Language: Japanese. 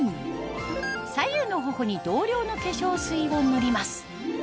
左右の頬に同量の化粧水を塗ります